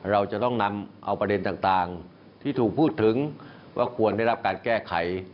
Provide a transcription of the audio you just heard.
เราจะต้องนำเอาประเด็นต่างที่ถูกพูดถึงว่าควรได้รับการแก้ไข